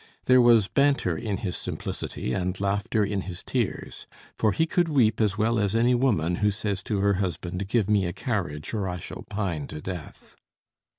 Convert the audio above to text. There was banter in his simplicity and laughter in his tears, for he could weep as well as any woman who says to her husband: "Give me a carriage or I shall pine to death."